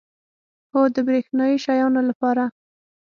هو، د بریښنایی شیانو لپاره